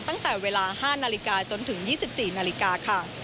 ตั้งแต่เวลา๕นาฬิกาจนถึง๒๔นาฬิกาค่ะ